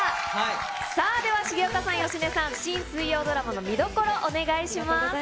さあ、では、重岡さん、芳根さん、新水曜ドラマの見どころ、お願いします。